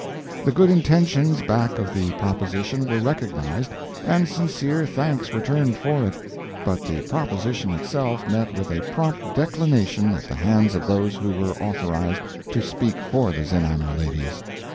The good intentions back of the proposition were recognized, and sincere thanks returned for it, but the proposition itself met with a prompt declination at the hands of those who were authorized to speak for the zenana ladies.